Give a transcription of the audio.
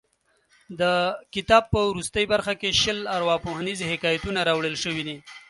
د کتاب په وروستۍ برخه کې شل ارواپوهنیز حکایتونه راوړل شوي دي.